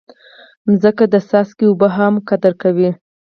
مځکه د څاڅکي اوبه هم قدر کوي.